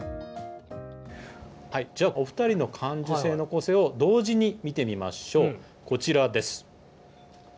じゃあ、お２人の感受性の個性を同時に見てみましょう。